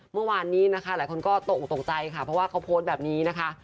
เมื่อวานนี้นะคะหลายคนก็ตกออกตกใจค่ะเพราะว่าเขาโพสต์แบบนี้นะคะ